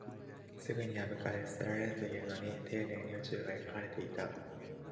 すぐに破かれ、捨てられるというのに、丁寧に宇宙が描かれていた